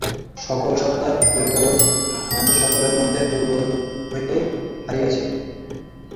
সকল সত্তার ঐক্যবোধ তোমাদের সকলের মধ্যে পূর্ব হইতেই রহিয়াছে।